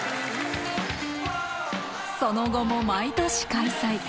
その後も毎年開催。